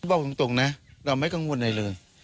บอกจริงนะเราไม่กังวลในเลย